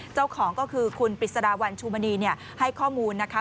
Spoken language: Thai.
เจ้าของก็คือคุณปริศดาวัลชูมณีให้ข้อมูลนะคะ